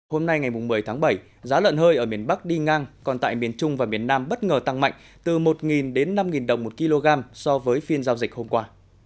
hôm nay ngày một mươi tháng bảy giá lợn hơi ở miền bắc đi ngang còn tại miền trung và miền nam bất ngờ tăng mạnh từ một đến năm đồng một kg so với phiên giao dịch hôm qua